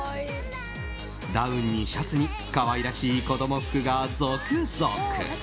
ダウンにシャツに可愛らしい子供服が続々。